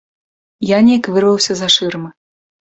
Я неяк вырваўся з-за шырмы.